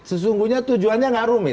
sesungguhnya tujuannya gak rumit